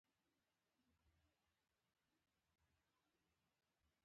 د متن لنډیز کار او زیار ستر ټولنیز ارزښت لري.